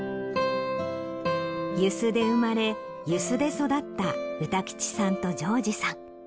遊子で生まれ遊子で育った歌吉さんと丈二さん。